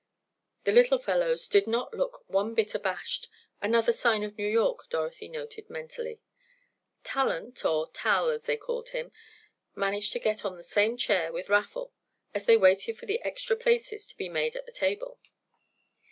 The little fellows did not look one bit abashed—another sign of New York, Dorothy noted mentally. Talent, or Tal, as they called him, managed to get on the same chair with Raffle, as they waited for the extra places to be made at the table.